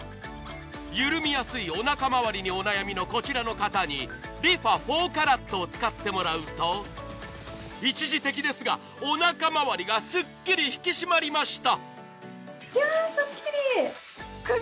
緩みやすいおなかまわりにお悩みのこちらの方にＲｅＦａ４ＣＡＲＡＴを使ってもらうと、一時的ですが、おなか回りがすっきり引き締まりました。